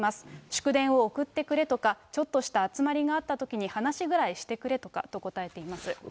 祝電を送ってくれとか、ちょっとした集まりがあったときに、話ぐらいしてくれとかと答えています。